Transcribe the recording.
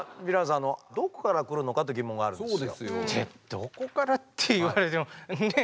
どこからって言われてもねえ